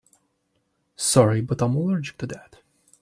Sorry but I'm allergic to that.